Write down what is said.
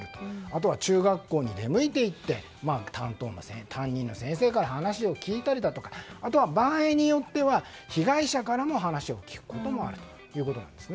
あとは中学校に出向いて担任の先生から話を聞いたりだとかあとは場合によっては被害者からも話を聞くこともあるということです。